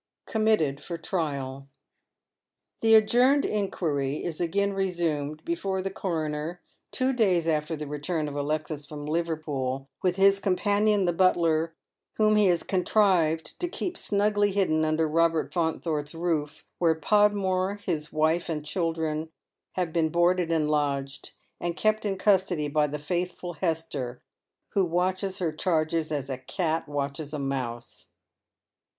COMMITTED FOB TRIAL. The adjourned inquiry is again resumed before the coroner, two days after the return of Alexis fi'om Liverpool, with his com panion the butler, whom he has contrived to keep snugly hidden under Robert Faunthorpc's roof, where Podmore, his wife and children, have been boarded and lodged, and kept in custody by the faithful Hester, who watches her charges as a cat watches a mouse.